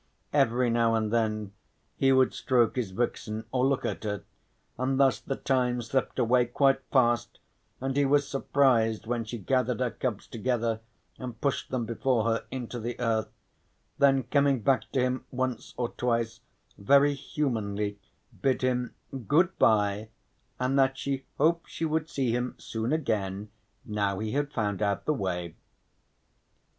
Every now and then he would stroke his vixen, or look at her, and thus the time slipped away quite fast and he was surprised when she gathered her cubs together and pushed them before her into the earth, then coming back to him once or twice very humanly bid him "Good bye and that she hoped she would see him soon again, now he had found out the way."